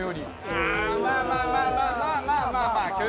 ああまあまあまあまあまあまあまあまあ。